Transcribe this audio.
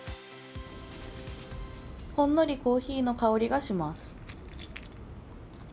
ほんのりコーヒーの香りがします。